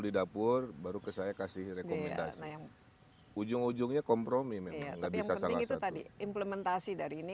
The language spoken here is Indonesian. di dapur baru ke saya kasih rekomendasi ujung ujungnya kompromi implementasi dari ini